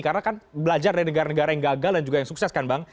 karena kan belajar dari negara negara yang gagal dan juga yang sukses kan bang